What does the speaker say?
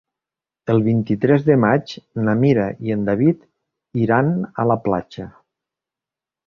El vint-i-tres de maig na Mira i en David iran a la platja.